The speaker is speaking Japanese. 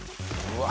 うわ。